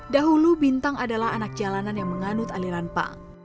dahulu bintang adalah anak jalanan yang menganut aliran pa